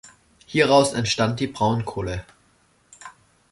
Hieraus entstand die Braunkohle.